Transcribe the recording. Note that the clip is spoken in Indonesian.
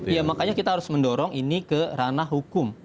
ya makanya kita harus mendorong ini ke ranah hukum